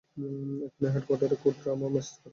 এক্ষুনি হেড কোয়ার্টারে কোড ট্রমা মেসেজ পাঠাও!